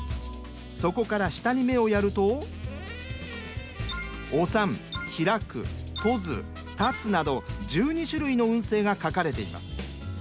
そこから下に目をやると。など１２種類の運勢が書かれています。